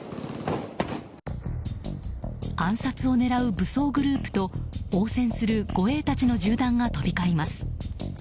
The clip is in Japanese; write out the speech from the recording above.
暗殺を狙う武装グループと応戦する護衛たちの銃弾が飛び交います。